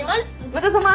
ごちそうさま。